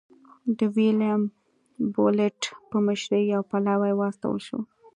د ویلیم بولېټ په مشرۍ یو پلاوی واستول شو.